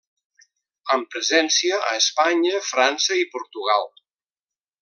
Amb presència a Espanya, França i Portugal.